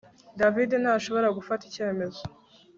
David ntashobora gufata icyemezo